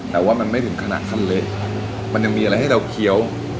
แต่ว่ามันไม่ถึงขนาดขั้นเละมันยังมีอะไรให้เราเคี้ยว